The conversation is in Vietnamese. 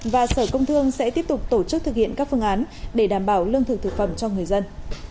và sở công thương sẽ tiếp tục tổ chức thực hiện các phương án để đảm bảo lương thực thực phẩm cho người dân